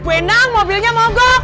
bu endang mobilnya mau gok